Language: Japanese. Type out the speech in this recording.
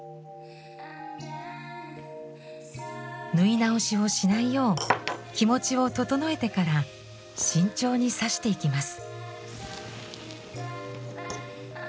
縫い直しをしないよう気持ちを整えてから慎重に刺していきます。